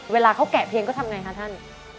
เวลาเขาแกะเพลงก็ทำไงคะท่าน